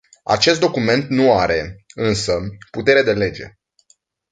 Acest document nu are, însă, putere de lege.